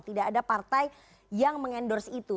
tidak ada partai yang mengendorse itu